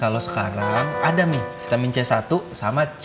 kalau sekarang ada nih vitamin c satu sama c